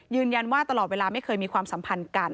ยืนยันว่าตลอดเวลาไม่เคยมีความสัมพันธ์กัน